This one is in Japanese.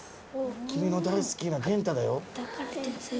きみの大好きなゲンタだよ。